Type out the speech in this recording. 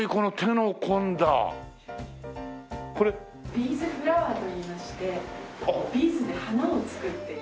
ビーズフラワーといいましてビーズで花を作っている。